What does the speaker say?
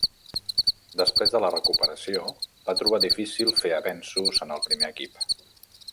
Després de la recuperació, va trobar difícil fer avenços en el primer equip.